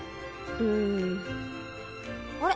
うん。あれ？